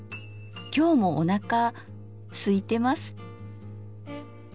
今日もおなかすいてます。